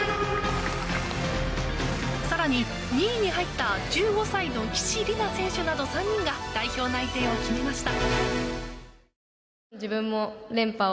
更に、２位に入った１５歳の岸里奈選手など３人が代表内定を決めました。